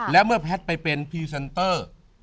และเมื่อแพทย์ไปเป็นพรีเซนเตอร์